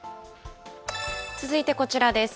続いてこちらです。